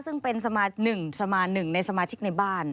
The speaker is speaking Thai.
ซึ่งเป็นสมาธินึงสมาธินึงในสมาธิในบ้าน